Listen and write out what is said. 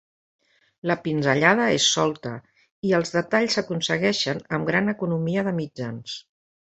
La pinzellada és solta i els detalls s'aconsegueixen amb gran economia de mitjans.